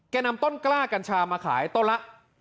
นำต้นกล้ากัญชามาขายต้นละ